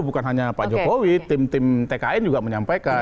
bukan hanya pak jokowi tim tim tkn juga menyampaikan